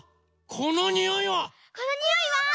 このにおいは？